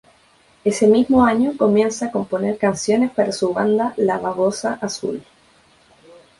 Ese mismo año comienza a componer canciones para su banda La Babosa Azul.